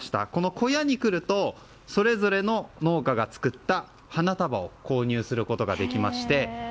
小屋に来るとそれぞれの農家が作った花束を購入することができまして